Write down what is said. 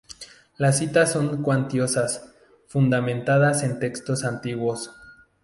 Las citas son cuantiosas, fundadas en textos antiguos.